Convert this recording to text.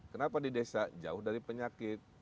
kenapa di desa jauh dari penyakit